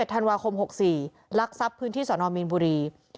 ธันวาคม๖๔ลักทรัพย์พื้นที่สนมีนบุรี